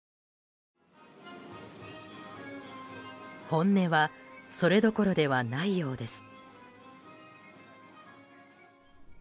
本音はそれどころではないようです。